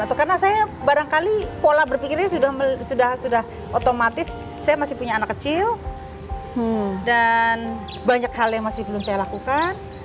atau karena saya barangkali pola berpikirnya sudah otomatis saya masih punya anak kecil dan banyak hal yang masih belum saya lakukan